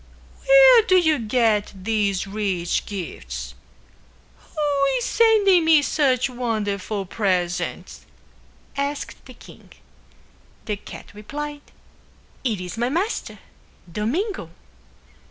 "Where do you get these rich gifts? Who is sending me such wonderful presents?" asked the king. The cat replied, "It is my master, Domingo."